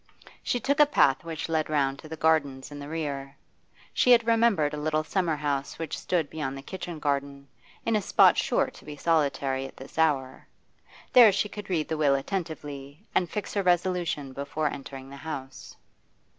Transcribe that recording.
She took a path which led round to the gardens in the rear. She had remembered a little summer house which stood beyond the kitchen garden, in a spot sure to be solitary at this hour. There she could read the will attentively, and fix her resolution before entering the house.